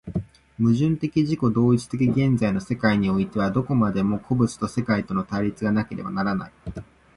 矛盾的自己同一的現在の世界においては、どこまでも個物と世界との対立がなければならない。